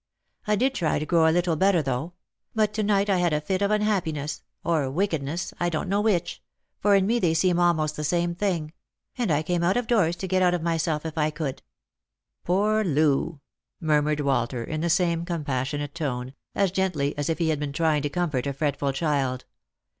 I did try to grow a little better, though ; but to night I had a fit of unhappiness — or wickedness — I don't know which, for in me they seem almost the same thing — and I came out of doors to get out of myself if I could." " Poor Loo !" murmured Walter, in the same compassionate tone, as gently as if he had been trying to comfort a fretful child.